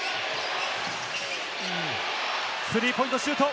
スリーポイントシュート。